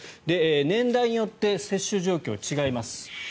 年代によって接種状況が違います。